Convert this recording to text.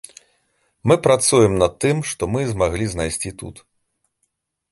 Мы працуем на тым, што мы змаглі знайсці тут.